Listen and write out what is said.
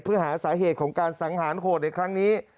เพื่อหาสาเหตุของการสังหารโหดในครั้งนี้